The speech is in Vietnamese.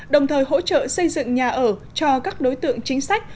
đồng thời hỗ trợ xây dựng nhà ở cho các đối tượng chính sách